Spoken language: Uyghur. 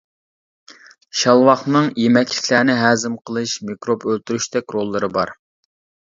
شالۋاقنىڭ يېمەكلىكلەرنى ھەزىم قىلىش، مىكروب ئۆلتۈرۈشتەك روللىرى بار.